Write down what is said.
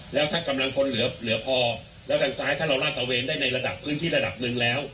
แล้วถ้ากำลังพลเหลือพอแล้วทางซ้ายถ้าเราลาดตระเวนได้ในระดับพื้นที่ระดับหนึ่งแล้ว